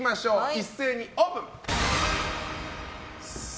一斉にオープン。